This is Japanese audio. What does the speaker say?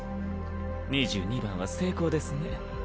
二十二番は成功ですね。